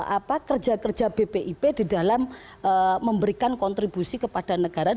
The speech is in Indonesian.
apa kerja kerja bpip di dalam memberikan kontribusi kepada negara